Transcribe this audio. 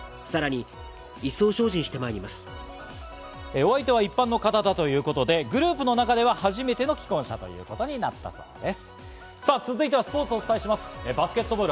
お相手は一般の方だということで、グループの中では初めての既婚者ということになったそうです。